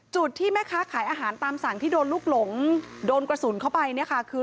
ที่แม่ค้าขายอาหารตามสั่งที่โดนลูกหลงโดนกระสุนเข้าไปเนี่ยค่ะคือ